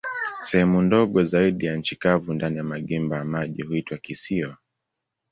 Sehemu ndogo zaidi za nchi kavu ndani ya magimba ya maji huitwa kisiwa.